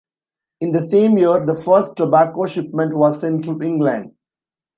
In the same year, the first tobacco shipment was sent to England.